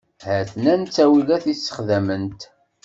Ha-ten-an ttawilat i sexdament.